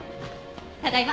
ただいま。